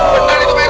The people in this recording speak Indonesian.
bener itu pak rt